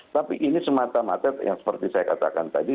tapi ini semata mata yang seperti saya katakan tadi